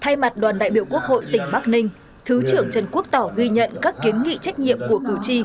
thay mặt đoàn đại biểu quốc hội tỉnh bắc ninh thứ trưởng trần quốc tỏ ghi nhận các kiến nghị trách nhiệm của cử tri